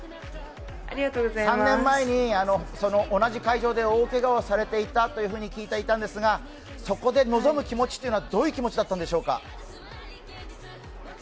３年前に同じ会場で大けがをされていたと聞いていたんですが、そこで臨む気持ちというのはどういう気持ちだったんでしょう。